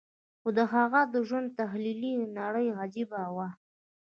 خو د هغه د ژوند تخيلي نړۍ عجيبه وه.